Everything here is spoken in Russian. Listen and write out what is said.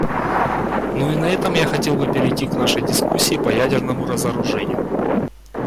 Ну и на этом я хотел бы перейти к нашей дискуссии по ядерному разоружению.